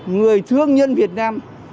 người thương nhân việt nam